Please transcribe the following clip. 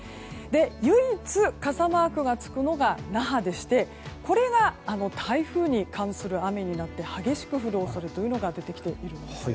唯一、傘マークがつくのが那覇でしてこれが台風に関する雨になって激しく降る恐れが出てきているんです。